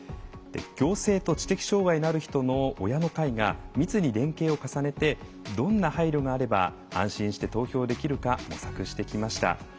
行政と知的障害のある人の親の会が密に連携を重ねてどんな配慮があれば安心して投票できるか模索してきました。